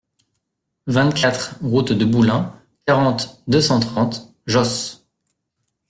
vingt-quatre route de Boulins, quarante, deux cent trente, Josse